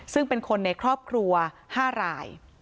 ซึ่งเป็นคนในครอบครัว๕ราย